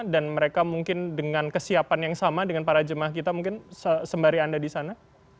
dan mereka mungkin dengan kesiapan yang sama dengan para jemaah kita mungkin sembari anda di sana